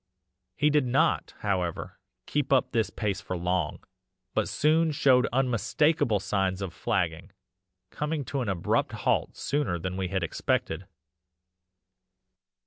"He did not, however, keep up this pace for long, but soon showed unmistakable signs of flagging, coming to an abrupt halt sooner than we had expected.